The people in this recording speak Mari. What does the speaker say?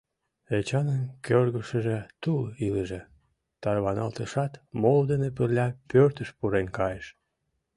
Эчанын кӧргешыже тул ылыже, тарваналтышат, моло дене пырля пӧртыш пурен кайыш.